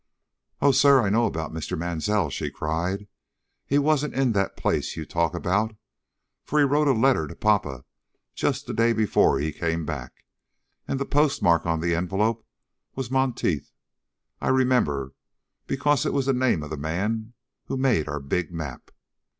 "Oh, sir, I know about Mr. Mansell!" she cried. "He wasn't in that place you talk about, for he wrote a letter to papa just the day before he came back, and the postmark on the envelope was Monteith. I remember, because it was the name of the man who made our big map."